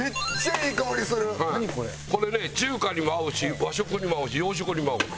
これね中華にも合うし和食にも合うし洋食にも合う。